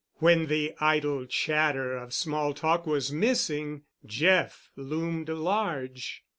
When the idle chatter of small talk was missing, Jeff loomed large.